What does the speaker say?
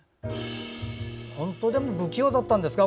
本当でも不器用だったんですか？